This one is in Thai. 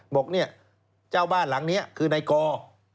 บอกเจ้าบ้านหลังนี้คือในกร